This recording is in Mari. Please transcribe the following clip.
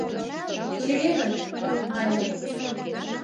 Чеверын, маньым.